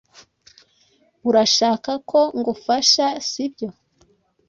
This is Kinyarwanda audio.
Urashaka ko ngufasha, sibyo?